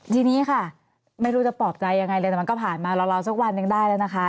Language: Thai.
ทีนี้ค่ะไม่รู้จะปลอบใจยังไงเลยแต่มันก็ผ่านมาราวสักวันหนึ่งได้แล้วนะคะ